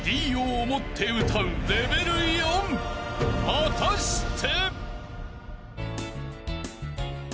［果たして！？］